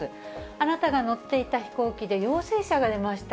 あなたが乗っていた飛行機で陽性者が出ました。